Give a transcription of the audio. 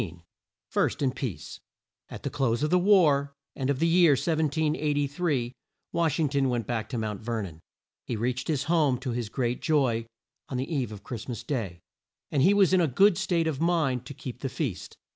FIRST IN PEACE. At the close of the war, and of the year 1783, Wash ing ton went back to Mount Ver non. He reached his home to his great joy on the eve of Christ mas day, and he was in a good state of mind to keep the feast.